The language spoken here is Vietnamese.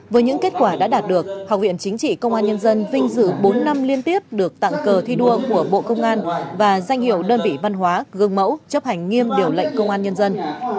với những kết quả đã đạt được học viện chính trị công an nhân dân vinh dự bốn năm liên tiếp được tặng cờ thi đua của bộ công an và danh hiệu đơn vị văn hóa gương mẫu chấp hành nghiêm điều lệnh công an nhân dân